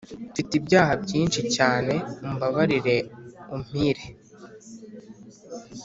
Mfite ibyaha byinshi cyane umbabarire umpire